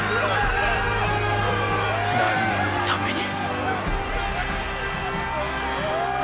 来年のために。